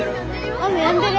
雨やんでる。